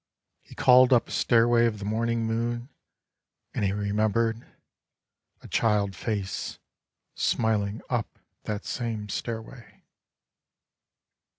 " He called up a stairway of the morning moon And he remembered a child face smiling up that same stairway.